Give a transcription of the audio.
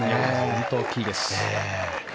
本当に大きいです。